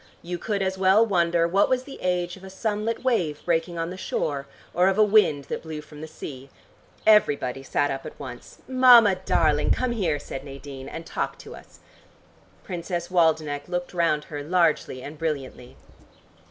You could as well wonder what was the age of a sunlit wave breaking on the shore, or of a wind that blew from the sea. Everybody sat up at once. "Mama darling, come here," said Nadine, "and talk to us." Princess Waldenech looked round her largely and brilliantly.